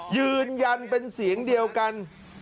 ยืนยันเป็นเสียงเดียวกัน